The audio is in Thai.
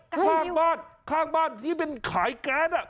ข้างบ้านข้างบ้านที่เป็นขายแก๊ส